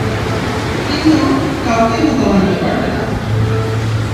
কিন্তু, কাউকেই বোকা বানাতে পারবে না!